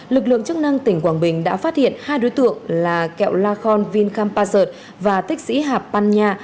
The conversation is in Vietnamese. lực lượng chức năng tỉnh quảng bình đã phát hiện hai đối tượng là kẹo la khon vin kham pazer và tích sĩ hạp pan nha